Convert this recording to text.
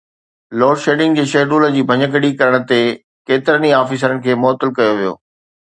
load shedding جي schedule جي ڀڃڪڙي ڪرڻ تي ڪيترن ئي آفيسرن کي معطل ڪيو ويو